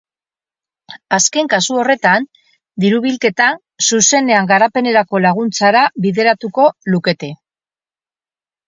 Azken kasu horretan, diru-bilketa zuzenean garapenerako laguntzara bideratuko lukete.